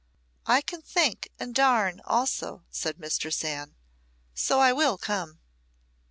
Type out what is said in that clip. "I can think and darn also," said Mistress Anne, "so I will come."